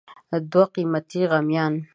دوه قیمتي غمیان